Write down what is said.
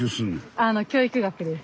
あの教育学です。